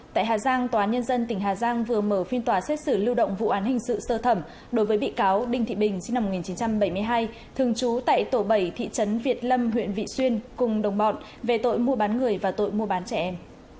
tại hà giang tòa án nhân dân tỉnh hà giang vừa mở phiên tòa xét xử lưu động vụ án hình sự sơ thẩm đối với bị cáo đinh thị bình sinh năm một nghìn chín trăm bảy mươi hai thường trú tại tổ bảy thị trấn việt lâm huyện vị xuyên cùng đồng bọn về tội mua bán người và tội mua bán trẻ em